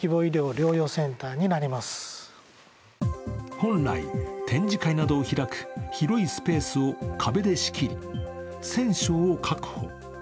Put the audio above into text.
本来、展示会などを開く広いスペースを壁で仕切り、１０００床を確保。